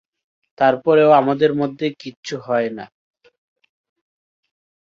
তারপরেও আমাদের মধ্যে কিছু হয়না।